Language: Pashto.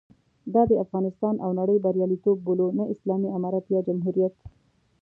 دا د افغانستان او نړۍ بریالیتوب بولو، نه اسلامي امارت یا جمهوریت.